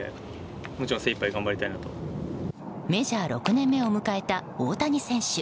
メジャー６年目を迎えた大谷選手。